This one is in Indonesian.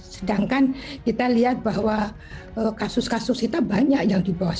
sedangkan kita lihat bahwa kasus kasus kita banyak yang di bawah